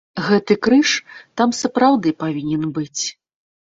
Гэты крыж там сапраўды павінен быць.